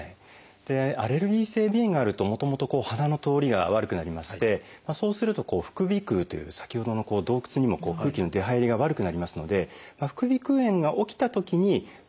アレルギー性鼻炎があるともともと鼻の通りが悪くなりましてそうすると副鼻腔という先ほどの洞窟にも空気の出入りが悪くなりますので副鼻腔炎が起きたときに治りにくい状態